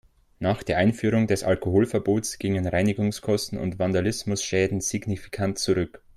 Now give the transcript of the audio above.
Nach der Einführung des Alkoholverbots gingen Reinigungskosten und Vandalismusschäden signifikant zurück.